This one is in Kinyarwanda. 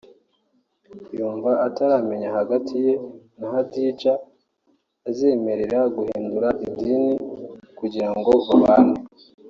yumva ataramenya hagati ye na Hadidja uzemerera guhindura idini kugirango babane